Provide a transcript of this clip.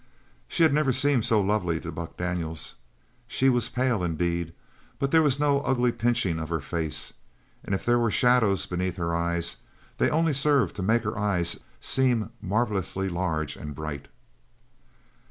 She had never seemed so lovely to Buck Daniels. She was pale, indeed, but there was no ugly pinching of her face, and if there were shadows beneath her eyes, they only served to make her eyes seem marvelously large and bright.